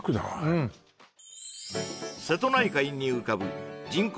うん瀬戸内海に浮かぶ人口